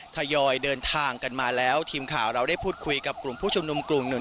ทยอยเดินทางกันมาแล้วทีมข่าวเราได้พูดคุยกับกลุ่มผู้ชุมนุมกลุ่มหนึ่ง